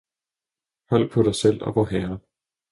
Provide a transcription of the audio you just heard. Hold på dig selv og Vorherre!